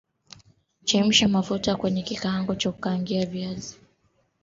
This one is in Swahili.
Chemsha mafuta kwenye kikaango cha kukaangia viazi